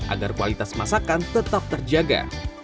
agar kualitas masakan tetap terjaga